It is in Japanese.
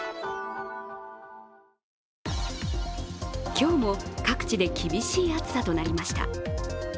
今日も各地で厳しい暑さとなりました。